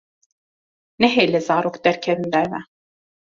Nehêle zarok derkevin derve.